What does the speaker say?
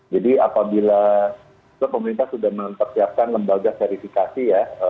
jadi apabila pemerintah sudah mempersiapkan lembaga verifikasi ya